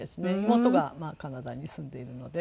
妹がカナダに住んでいるので。